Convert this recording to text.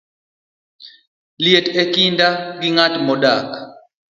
liet e kinda gi ng'at modak